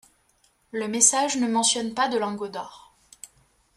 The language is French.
Le message ne mentionne pas de lingots d'or.